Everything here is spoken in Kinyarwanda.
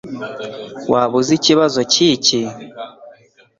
Waba uzi ikibazo cyiki?